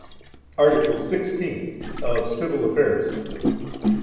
Article XVI. Of Civil Affairs.